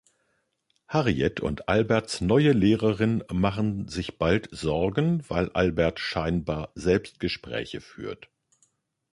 Harriet und Alberts neue Lehrerin machen sich bald Sorgen, weil Albert "scheinbar" Selbstgespräche führt.